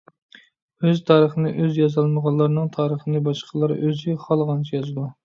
ئۆز تارىخىنى ئۆزى يازالمىغانلارنىڭ تارىخىنى باشقىلار ئۆزى خالىغانچە يازىدۇ.